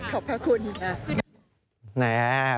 ขอบคุณค่ะ